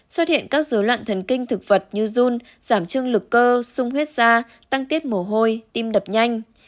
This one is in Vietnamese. xuất hiện các dối loạn thần kinh thực vật như run giảm trương lực cơ sung huyết da tăng tiết mồ hôi tim đập nhanh